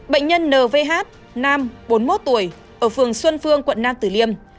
bệnh nhân nvh nam bốn mươi một tuổi ở phường xuân phương quận nam tử liêm